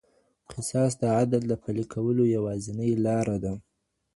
قصاص د عدل د پلي کولو یوازینۍ لاره ده.